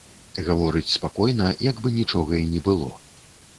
Гаворыць спакойна, як бы нічога й не было.